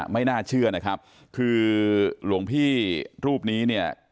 ไม่น่าเชื่อนะครับคือหลวงพี่รูปนี้เนี่ย